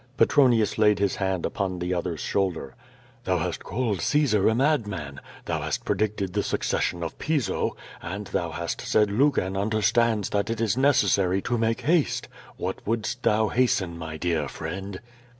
Petronius laid his hand upon the other's shoulder. "Tliou hast called Caesar a madman, thou hast predicted the succession of Piso, and thou ha^^t said Lucan understands that it is necessary to make ha4e. What wouldst thou hasten, my dear friend?"